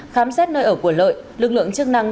khám xét nơi ở của lợi lực lượng chức năng